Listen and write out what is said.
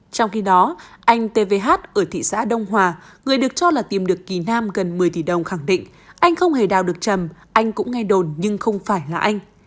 trong khi đó anh tvh ở thị xã đông hòa người được cho là tìm được kỳ nam gần một mươi tỷ đồng khẳng định anh không hề đào được trầm anh cũng ngay đồn nhưng không phải là anh